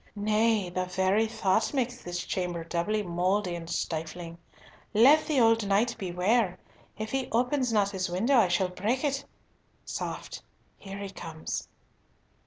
Nay, the very thought makes this chamber doubly mouldy and stifling! Let the old knight beware. If he open not his window I shall break it! Soft. Here he comes."